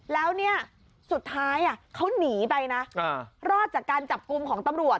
แล้วเนี่ยสุดท้ายเขาหนีไปนะรอดจากการจับกลุ่มของตำรวจ